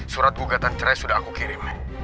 surat gugatan cerai sudah aku kirim